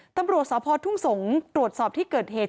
ตำรวจสพทุ่งสงศ์ตรวจสอบที่เกิดเหตุ